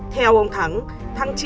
theo ông thắng tháng chín